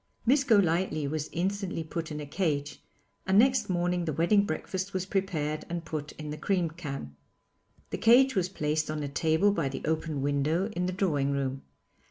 Miss Golightly was instantly put in a cage, and next morning the wedding breakfast was prepared and put in the cream can. The cage was placed on a table by the open window in the drawing room.